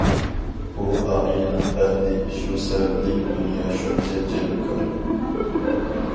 ئۇ ئائىلىنىڭ بەختى، شۇ سەۋەبلىك دۇنيا شۇنچە جەلپكار.